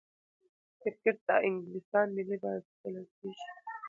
کرکټ د انګلستان ملي بازي بلل کیږي.